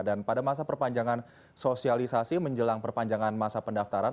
dan pada masa perpanjangan sosialisasi menjelang perpanjangan masa pendaftaran